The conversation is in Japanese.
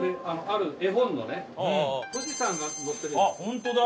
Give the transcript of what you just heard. ホントだ。